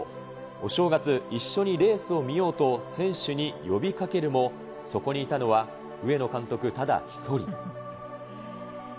お正月、一緒にレースを見ようと、選手に呼びかけるも、そこにいたのは上野監督ただ一人。